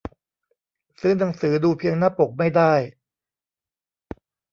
ซื้อหนังสือดูเพียงหน้าปกไม่ได้